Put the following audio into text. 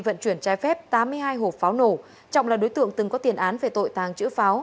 vận chuyển trái phép tám mươi hai hộp pháo nổ trọng là đối tượng từng có tiền án về tội tàng trữ pháo